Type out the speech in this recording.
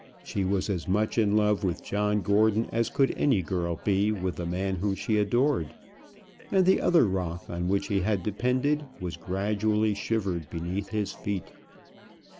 She was as much in love with John Gordon as could any girl be with the man whom she adored. And the other rock on which he had depended was gradually shivered beneath his feet.